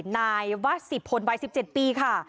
ในวัดสิบพลบายสิบเจ็ดปีค่ะ